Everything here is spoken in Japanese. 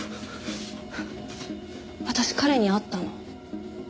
私彼に会ったの。